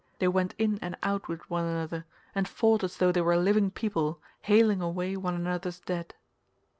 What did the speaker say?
They went in and out with one another and fought as though they were living people haling away one another's dead.